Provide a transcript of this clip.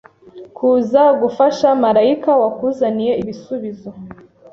kuza gufasha malayika wakuzaniye ibisubizo